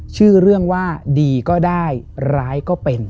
ชื่อเรื่องว่าดีก็ได้ร้ายก็เป็น